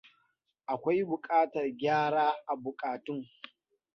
Akwai buƙatar gyara a buƙatun.